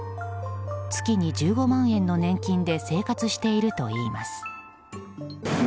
月に１５万円の年金で生活しているといいます。